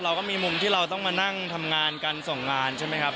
เราก็มีมุมที่เราต้องมานั่งทำงานกันส่งงานใช่ไหมครับ